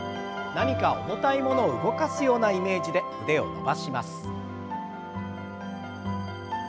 何か重たいものを動かすようなイメージで腕を伸ばします。